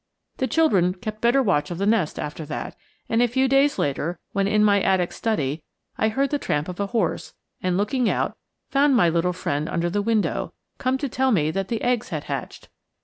The children kept better watch of the nest after that, and a few days later, when in my attic study, I heard the tramp of a horse, and, looking out, found my little friend under the window, come to tell me that the eggs had hatched.